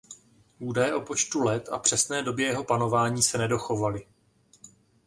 Údaje o počtu let a přesné době jeho panování se nedochovaly.